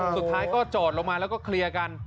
สุดท้ายก็จอดลงมาแล้วก็เคลียร์กัน